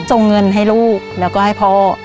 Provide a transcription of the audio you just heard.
ส่งเงินให้ลูกแล้วก็ให้พ่อ